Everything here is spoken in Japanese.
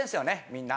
みんな。